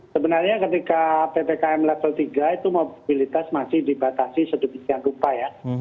sebenarnya ketika ppkm level tiga itu mobilitas masih dibatasi sedikit yang lupa ya